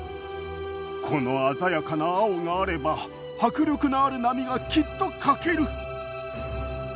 この鮮やかな青があれば迫力のある波がきっと描ける。